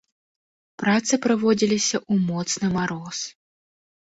Працы праводзіліся ў моцны мароз.